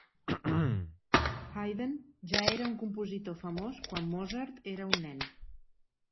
Haydn era ja un compositor famós quan Mozart era un nen.